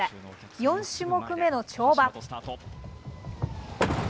４種目めの跳馬。